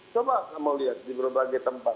coba kamu lihat di berbagai tempat